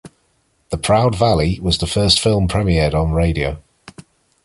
"The Proud Valley" was the first film premiered on radio.